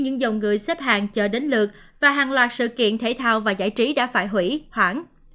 nhưng dòng người xếp hàng chờ đến lượt và hàng loạt sự kiện thể thao và giải trí đã phải hủy hoãn